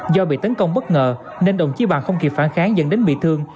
do bị tấn công bất ngờ nên đồng chí bàn không kịp phản kháng dẫn đến bị thương